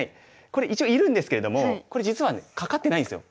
これ一応いるんですけれどもこれ実はねかかってないんですよ。